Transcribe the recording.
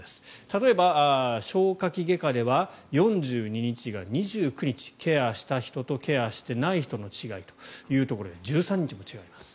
例えば、消化器外科では４２日が２９日ケアした人とケアしてない人の違いというところで１３日も違います。